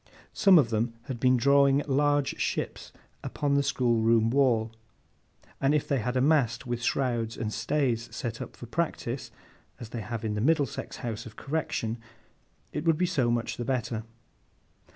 Some of them had been drawing large ships upon the schoolroom wall; and if they had a mast with shrouds and stays set up for practice (as they have in the Middlesex House of Correction), it would be so much the better.